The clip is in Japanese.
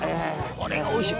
「これがおいしい！